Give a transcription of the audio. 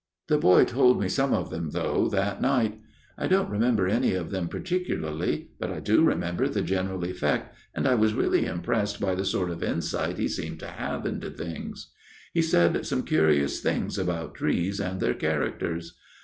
" The boy told me some of them, though, that night. I don't remember any of them particu larly, but I do remember the general effect, and I was really impressed by the sort of insight he seemed to have into things. He said some curious things about trees and their characters.